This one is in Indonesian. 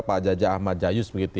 pak jaja ahmad jayus